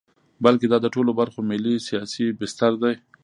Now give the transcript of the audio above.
بلکې دا د ټولو برخو ملي سیاسي بستر دی.